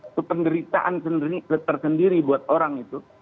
itu penderitaan tersendiri buat orang itu